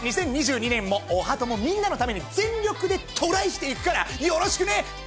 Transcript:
２０２２年もおはトモみんなのために全力でトライしていくからよろしくね！